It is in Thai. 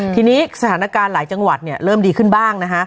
ทีนี้สถานการณ์หลายจังหวัดเริ่มดีขึ้นบ้างนะฮะ